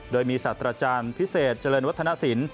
โดยมีสัตว์อาจารย์พิเศษเจริญวัฒนศิลป